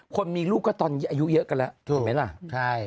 คนมีลูกก็ตอนนี้อายุเยอะกันแล้วถูกไหมล่ะใช่